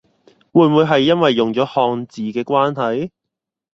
會唔會係因為用咗漢字嘅關係？